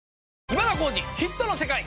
『今田耕司★ヒットの世界』。